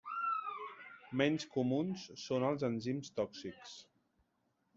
Menys comuns són els enzims tòxics.